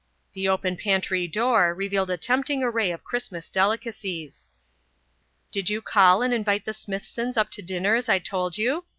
The open pantry door revealed a tempting array of Christmas delicacies. "Did you call and invite the Smithsons up to dinner as I told you?"